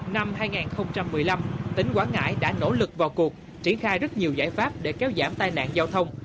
năm hai nghìn một mươi năm tỉnh quảng ngãi đã nỗ lực vào cuộc triển khai rất nhiều giải pháp để kéo giảm tai nạn giao thông